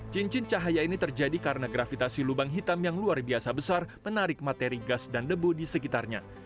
cincin cahaya ini terjadi karena gravitasi lubang hitam yang luar biasa besar menarik materi gas dan debu di sekitarnya